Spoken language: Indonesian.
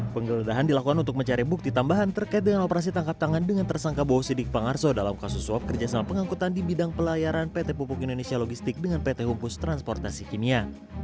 penggeledahan dilakukan untuk mencari bukti tambahan terkait dengan operasi tangkap tangan dengan tersangka bosidik pangarso dalam kasus suap kerjasama pengangkutan di bidang pelayaran pt pupuk indonesia logistik dengan pt humpus transportasi kimia